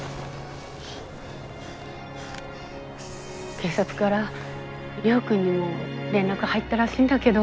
警察から亮君にも連絡入ったらしいんだけど。